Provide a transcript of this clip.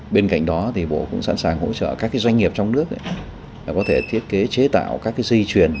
bên cạnh đó bộ cũng sẵn sàng hỗ trợ các doanh nghiệp trong nước có thể thiết kế chế tạo các di truyền sản xuất gạch không nung